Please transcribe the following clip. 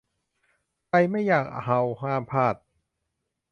ใครไม่อยากเอาต์ห้ามพลาด